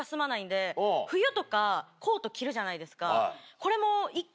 これも。